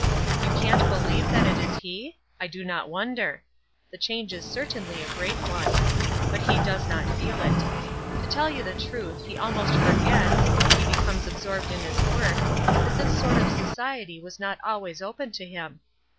You can't believe that it is he? I do not wonder. The change is certainly a great one; but he does not feel it. To tell you the truth, he almost forgets, when he becomes absorbed in his work, that this sort of society was not always open to him.